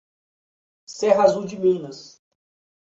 Serra Azul de Minas